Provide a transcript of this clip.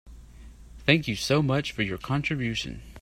Thank you so much for your contribution.